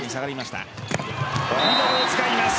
ミドルを使います。